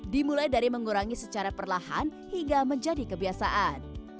dimulai dari mengurangi secara perlahan hingga menjadi kebiasaan